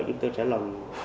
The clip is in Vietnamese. chúng tôi sẽ làm được